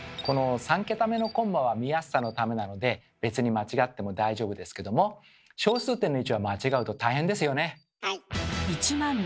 ３桁目のコンマは見やすさのためなので別に間違っても大丈夫ですけども小数点の位置は間違うと大変ですよね。